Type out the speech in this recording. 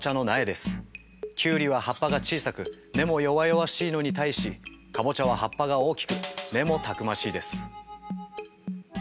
キュウリは葉っぱが小さく根も弱々しいのに対しカボチャは葉っぱが大きく根もたくましいです。